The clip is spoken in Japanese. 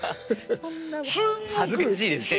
恥ずかしいですね。